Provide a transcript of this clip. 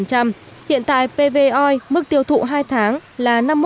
hiện tại pv oil mức tiêu thụ hai tháng là năm mươi một ba mươi bảy